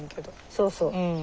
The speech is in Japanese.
そうそう。